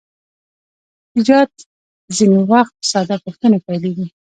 ایجاد ځینې وخت په ساده پوښتنو پیلیږي.